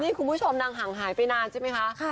นี่คุณผู้ชมนางห่างหายไปนานใช่ไหมคะ